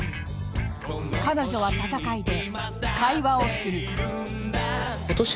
彼女は戦いで会話をする。